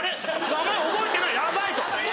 名前覚えてないヤバい！